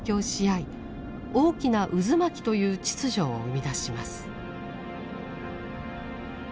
大きな渦巻きという秩序を生み出します。